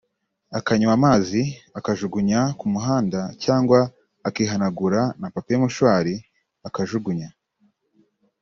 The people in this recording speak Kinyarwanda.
akanywa amazi akajugunya ku muhanda cyangwa akihanagura na papier mouchoir akajugunya